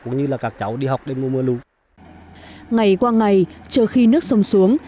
ngày qua ngày chờ khi nước sông xuống